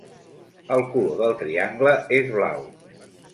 El color del triangle és blau.